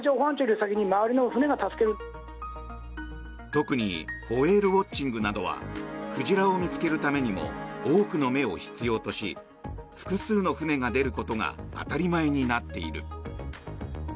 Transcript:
特にホエールウォッチングなどは鯨を見つけるためにも多くの目を必要とし複数の船が出ることが当たり前になっている。